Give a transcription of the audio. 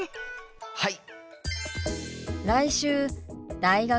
はい！